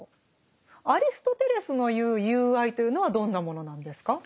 アリストテレスの言う「友愛」というのはどんなものなんですか？